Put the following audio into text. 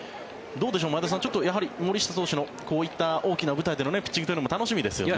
どうでしょう、前田さんやはり森下投手のこういった大きな舞台でのピッチングも楽しみですよね。